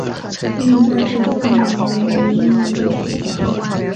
命运战士的创意源于命运战士杂志。